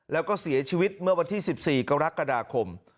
แล้วก็เสียชีวิตเมื่อวันที่๑๔กรกฎาคม